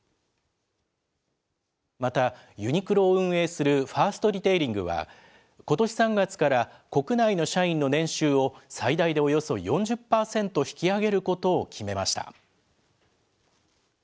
また、ユニクロを運営するファーストリテイリングは、ことし３月から国内の社員の年収を、最大でおよそ４０％引き上げることを決めました。